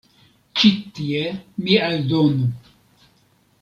Ĉi tie mi aldonu.